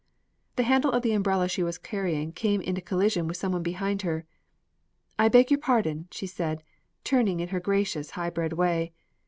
The handle of the umbrella she was carrying came in collision with some one behind her. "I beg your pardon," she said, turning in her gracious, high bred way.